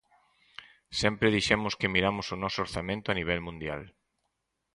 Sempre dixemos que miramos o noso orzamento a nivel mundial.